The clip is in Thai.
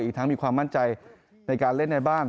ทั้งมีความมั่นใจในการเล่นในบ้าน